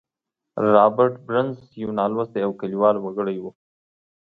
رابرټ برنس یو نالوستی او کلیوال وګړی و